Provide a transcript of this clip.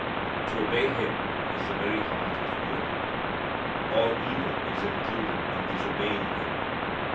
To obey Him is the very heart of good. All evil is included in disobeying Him.